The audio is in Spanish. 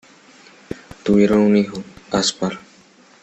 Tuvieron un hijo, Aspar.